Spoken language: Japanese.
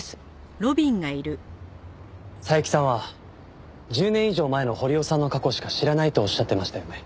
佐伯さんは１０年以上前の堀尾さんの過去しか知らないとおっしゃってましたよね。